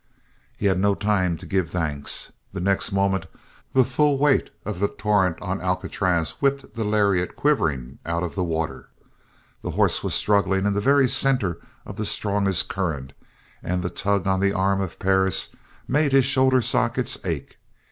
He had no time to give thanks. The next moment the full weight of the torrent on Alcatraz whipped the lariat quivering out of the water. The horse was struggling in the very center of the strongest current and the tug on the arms of Perris made his shoulder sockets ache.